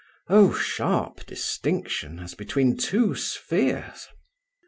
Oh, sharp distinction, as between two spheres!